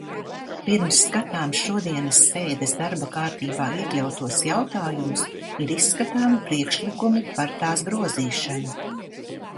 Pirms skatām šodienas sēdes darba kārtībā iekļautos jautājumus, ir izskatāmi priekšlikumi par tās grozīšanu.